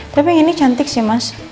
tapi yang ini cantik sih mas